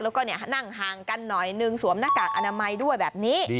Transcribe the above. แล้วก็นั่งห่างกันหน่อยหนึ่งสวมหน้ากากอนามัยด้วยแบบนี้